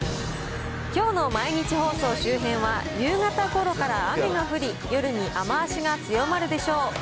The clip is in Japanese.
きょうの毎日放送周辺は、夕方ごろから雨が降り、夜に雨足が強まるでしょう。